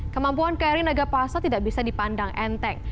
kemampuan kri nagapasa tidak bisa dipandang enteng